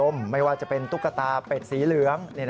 ไม่ว่าจะเป็นตุ๊กตาเป็ดสีเหลือง